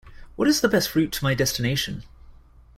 What is the best route to my destination?